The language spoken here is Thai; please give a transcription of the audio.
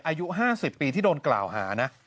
อายุ๕๐ปีที่โดนกล่าวหานะ